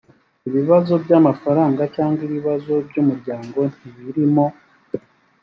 ibibazo by’amafaranga cyangwa ibibazo by’umuryango ntibirimo.